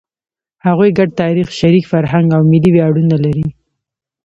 هغوی ګډ تاریخ، شریک فرهنګ او ملي ویاړونه لري.